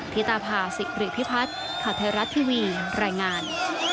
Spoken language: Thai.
พิตาภาศิกฤพิพัฒน์ขทรทรัฐทีวีแรงงาน